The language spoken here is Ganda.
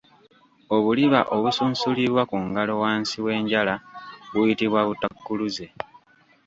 Obuliba obususumbulwa ku ngalo wansi w’enjala buyitibwa Butakkuluze.